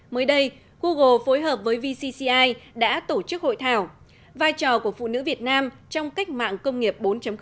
mới đây google phối hợp với vcci đã tổ chức hội thảo vai trò của phụ nữ việt nam trong cách mạng công nghiệp bốn